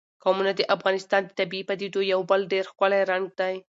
قومونه د افغانستان د طبیعي پدیدو یو بل ډېر ښکلی رنګ دی.